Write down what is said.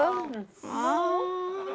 ああ。